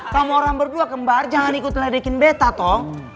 kamu orang berdua kembar jangan ikut ledekin betta tong